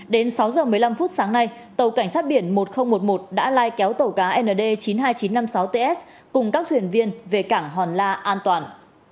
đến sáu giờ một mươi năm phút sáng nay tàu cảnh sát biển một nghìn một mươi một đã lai kéo tàu cá nd chín mươi hai nghìn chín trăm năm mươi sáu ts cùng các thuyền viên về cảng hòn la an toàn